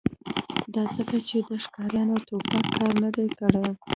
دا ځکه چې د ښکاریانو ټوپک کار نه دی کړی